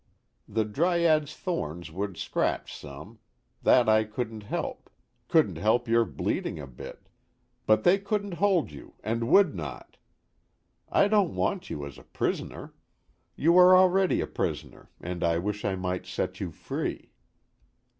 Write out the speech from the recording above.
The dryad's thorns would scratch some that I couldn't help, couldn't help your bleeding a bit but they couldn't hold you, and would not. I don't want you as a prisoner. You are already a prisoner, and I wish I might set you free.